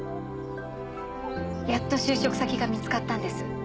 やっと就職先が見つかったんです。